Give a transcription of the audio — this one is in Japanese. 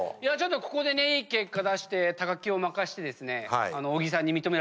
ここでいい結果出して木を負かしてですね。